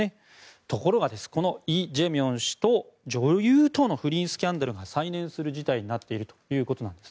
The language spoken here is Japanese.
ところがこのイ・ジェミョン氏と女優との不倫スキャンダルが再燃する事態になっているということです。